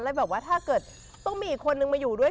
แล้วแบบว่าถ้าเกิดต้องมีอีกคนนึงมาอยู่ด้วย